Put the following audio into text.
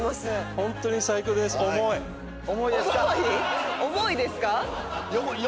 本当に最高です。